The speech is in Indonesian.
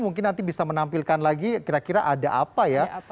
mungkin nanti bisa menampilkan lagi kira kira ada apa ya